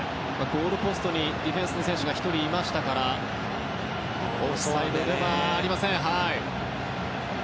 ゴールポストにディフェンスの選手が１人いましたからオフサイドではありません。